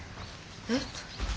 えっ？